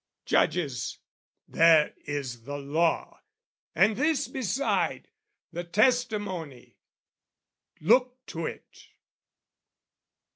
Judges, there is the law, and this beside, The testimony! Look to it!